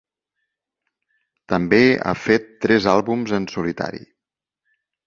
També ha fet tres àlbums en solitari.